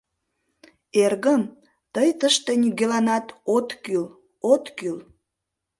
Эргым, тый тыште нигӧланат от кӱл, от кӱл...